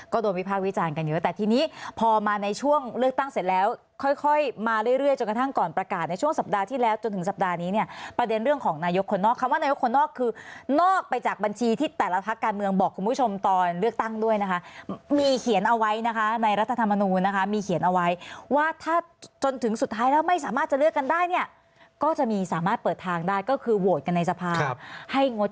ก็โดนวิพาควิจารณ์กันเยอะแต่ทีนี้พอมาในช่วงเลือกตั้งเสร็จแล้วค่อยมาเรื่อยจนกระทั่งก่อนประกาศในช่วงสัปดาห์ที่แล้วจนถึงสัปดาห์นี้เนี่ยประเด็นเรื่องของนายกคนนอกคำว่านายกคนนอกคือนอกไปจากบัญชีที่แต่ละพักการเมืองบอกคุณผู้ชมตอนเลือกตั้งด้วยนะคะมีเขียนเอาไว้นะคะในรัฐธรรมนูนะคะมีเขียนเอาไว